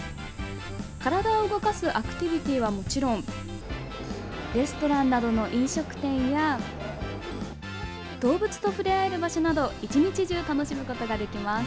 体を動かすアクティビティーはもちろんレストランなどの飲食店や動物と触れ合える場所など１日中楽しむことができます。